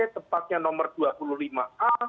tepatnya nomor dua puluh lima a